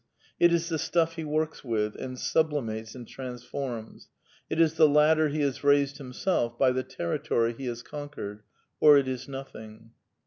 It is the stuff he works with and sublimates and transforms ; it is the ladder he has raised himself by, the territory he has conquered — or it is nothing.